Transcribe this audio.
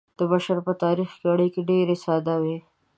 د بشر په تاریخ کې اړیکې ډیرې ساده وې.